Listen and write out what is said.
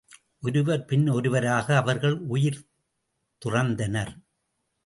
ஒருவர் பின் ஒருவராக அவர்கள் உயிர் துறந்தனர்.